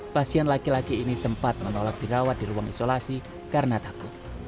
pasien laki laki ini sempat menolak dirawat di ruang isolasi karena takut